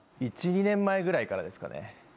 １２年前ぐらいからですかね。